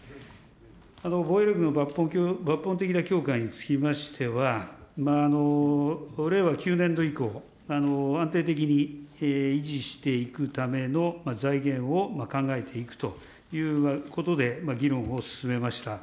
防衛力の抜本的な強化につきましては、令和９年度以降、安定的に維持していくための財源を考えていくということで議論を進めました。